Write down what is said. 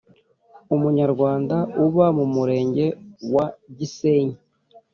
Umunyarwanda uba mu Murenge wa Gisenyi